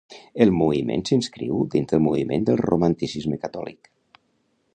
El moviment s'inscriu dins del moviment del romanticisme catòlic.